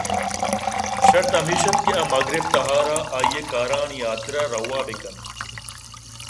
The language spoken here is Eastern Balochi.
شرط ہمیش اَت کہ آ مغرب تہا ر ءَآئی ءِ کارانی حاترا روآ بہ کنت